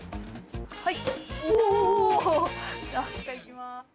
はい。